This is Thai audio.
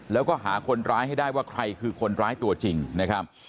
แล้วก็หาคนร้ายให้ได้ว่าใครคือคนร้ายตัวจริงนะครับ